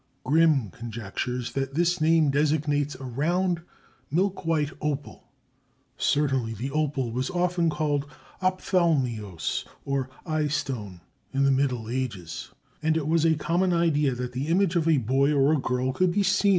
Grimm conjectures that this name designates a round, milk white opal. Certainly the opal was often called ophthalmios, or eyestone, in the Middle Ages, and it was a common idea that the image of a boy or girl could be seen in the pupil of the eye.